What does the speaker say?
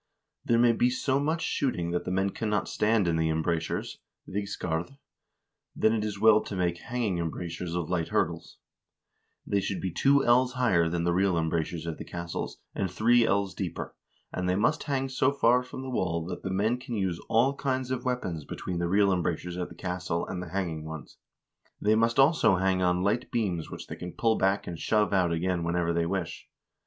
There may be so much shooting that the men cannot stand in the embrasures (vigskard), then it is well to make hanging embrasures of light hurdles; they should be two ells higher than the real em brasures of the castles, and three ells deeper, and they must hang so far from the wall that the men can use all kinds of weapons between the real embrasures of the castle and the hanging ones. They must also hang on light beams which they can pull back and shove out again whenever they wish.